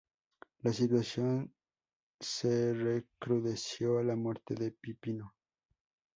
La situación se recrudeció a la muerte de Pipino.